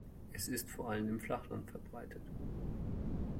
Es ist vor allem im Flachland verbreitet.